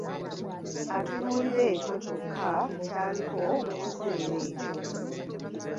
Atunuulira ekyo kyokka ky'aliko mu kiseera ekyo.